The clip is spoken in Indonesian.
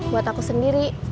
buat aku sendiri